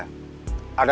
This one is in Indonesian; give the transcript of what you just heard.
ada dokter sama perut